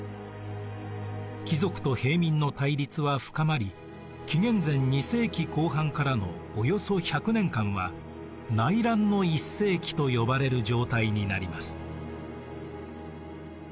貴族と平民の対立は深まり紀元前２世紀後半からのおよそ１００年間は内乱の１世紀と呼ばれる状態になります。